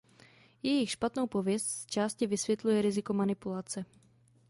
Jejich špatnou pověst zčásti vysvětluje riziko manipulace.